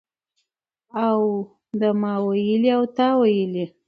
او د ما ویلي او تا ویلي